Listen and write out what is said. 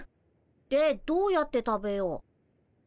でどうやって食べよう？